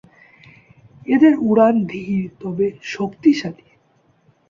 এদের উড়ান ধীর তবে শক্তিশালী।